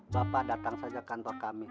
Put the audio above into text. bapak datang saja kantor kami